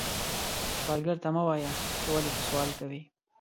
سوالګر ته مه وایې چې ولې ته سوال کوې